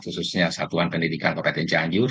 khususnya satuan pendidikan bapak tiong chanjur